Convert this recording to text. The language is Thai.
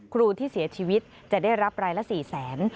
ครูที่เสียชีวิตจะได้รับรายละ๔แสน